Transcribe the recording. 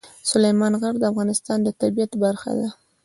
سلیمان غر د افغانستان د طبیعت برخه ده.